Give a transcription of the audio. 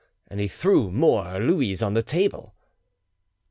And he threw more Louis on the table.